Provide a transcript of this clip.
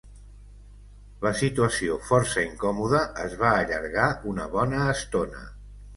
La situació, força incòmoda, es va allargar una bona estona.